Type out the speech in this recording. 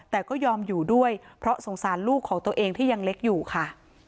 แต่ก็ยอมอยู่ด้วยเพราะสงสารลูกของตัวเองที่ยังเล็กอยู่ค่ะ